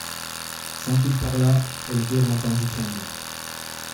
Sans qu'il parlât, Elvire l'entendit craindre.